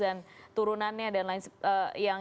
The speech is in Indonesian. dan turunannya dan lain lain